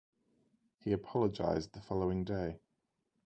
He apologised the following day.